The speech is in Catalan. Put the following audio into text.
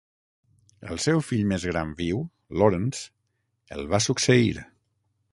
El seu fill més gran viu, Lawrence, el va succeir.